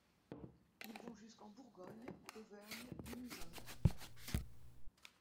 Ils vont jusqu'en Bourgogne, Auvergne, Limousin.